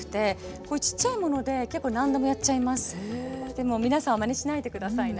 でも皆さんまねしないで下さいね。